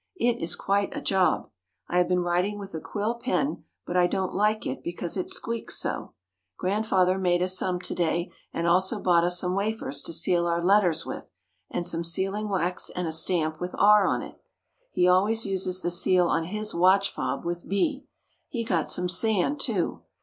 It is quite a job. I have been writing with a quill pen but I don't like it because it squeaks so. Grandfather made us some to day and also bought us some wafers to seal our letters with, and some sealing wax and a stamp with "R" on it. He always uses the seal on his watch fob with "B." He got some sand, too.